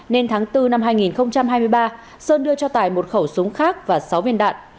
nên tháng bốn năm hai nghìn hai mươi ba sơn đưa cho tài một khẩu súng khác và sáu viên đạn